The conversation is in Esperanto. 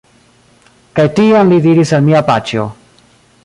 Kaj tiam li diris al mia paĉjo: